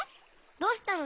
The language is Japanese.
どうしたの？